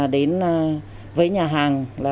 đến với nhà hàng